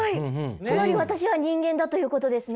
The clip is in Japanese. つまり私は人間だということですね。